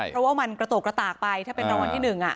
เพราะว่ามันกระโตกกระตากไปถ้าเป็นรางวัลที่๑